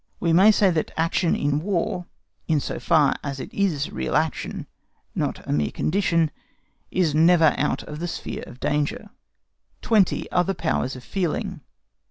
We may say that action in War, in so far as it is real action, not a mere condition, is never out of the sphere of danger. 20. OTHER POWERS OF FEELING.